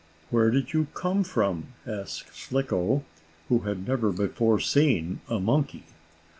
"Where did you come from?" asked Slicko, who had never before seen a monkey.